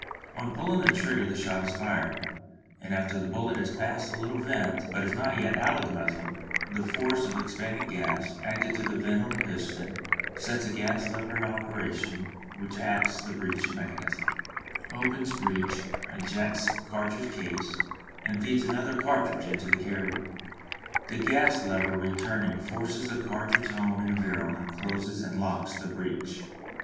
On pulling the trigger the shot is fired, and after the bullet has passed the little vent, but is not yet out of the muzzle, the force of the expanding gas, acting through the vent on the piston, sets a gas lever in operation which acts on the breech mechanism, opens breech, ejects cartridge case, and feeds another cartridge into the carrier. The gas lever returning forces the cartridge home in the barrel and closes and locks the breech.